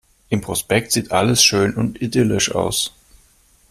Im Prospekt sieht alles schön und idyllisch aus.